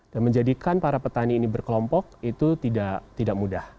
dan menjadikan para petani ini berkelompok itu tidak mudah